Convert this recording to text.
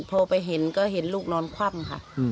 พอไปเห็นก็เห็นลูกนอนคว่ำค่ะ